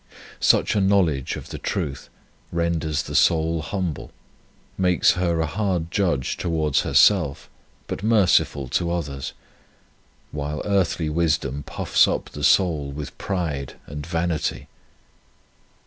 Such a knowledge of the truth renders the soul humble, makes her a hard judge towards herself, but merciful to others, while earthly wisdom puffs up the soul with pride and vanity.